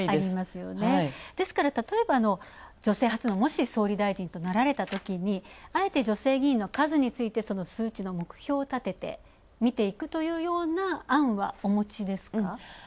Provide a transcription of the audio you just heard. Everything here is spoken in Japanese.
ですからたとえば女性初の総理大臣になられたときに、あえて女性銀の数についてその数値の目標をたててみていくというような案はお持ちですか。